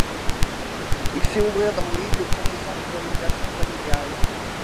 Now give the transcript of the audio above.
Il fait ouvrir dans l'île le premier centre d'orientation familiale.